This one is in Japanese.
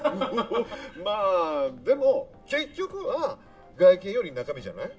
まあでも結局は外見より中身じゃない？